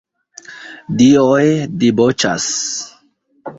Dioj diboĉas.